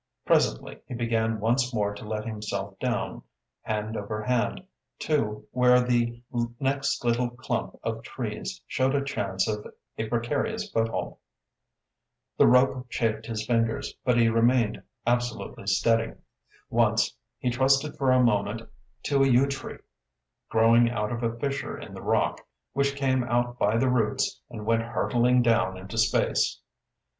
Presently he began once more to let himself down, hand over hand, to where the next little clump of trees showed a chance of a precarious foothold. The rope chafed his fingers but he remained absolutely steady. Once he trusted for a moment to a yew tree, growing out of a fissure in the rock, which came out by the roots and went hurtling down into space.